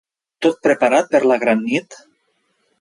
Tot preparat per la gran nit?